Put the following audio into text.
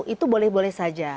itu boleh boleh saja